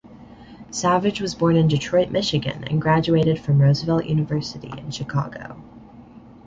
Savage was born in Detroit, Michigan, and graduated from Roosevelt University in Chicago.